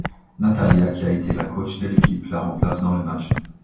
Natalya, qui a été la coach de l'équipe, la remplace dans le match.